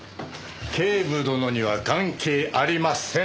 警部殿には関係ありません。